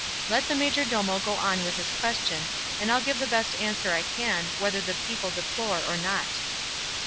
Let the majordomo go on with his question, and I'll give the best answer I can, whether the people deplore or not."